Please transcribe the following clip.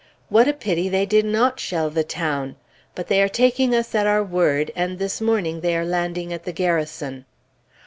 What a pity they did not shell the town! But they are taking us at our word, and this morning they are landing at the Garrison.